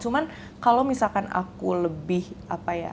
cuman kalau misalkan aku lebih apa ya